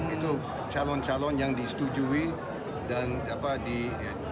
itu calon calon yang disetujui dan dianggap